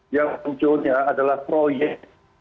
yang ujungnya adalah proyek